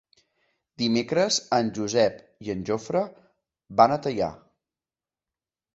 Dimecres en Josep i en Jofre van a Teià.